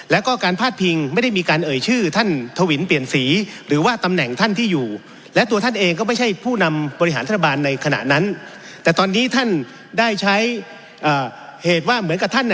แล้วการที่ท่านถุงวินจะชี้แจงนั้น